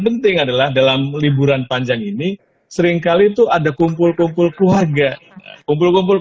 penting adalah dalam liburan panjang ini seringkali tuh ada kumpul kumpul keluarga kumpul kumpul